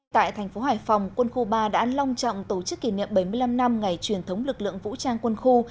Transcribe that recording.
tại thành phố hải phòng quân khu ba đã long trọng tổ chức kỷ niệm bảy mươi năm năm ngày truyền thống lực lượng vũ trang quân khu